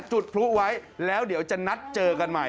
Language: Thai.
จุดพลุไว้แล้วเดี๋ยวจะนัดเจอกันใหม่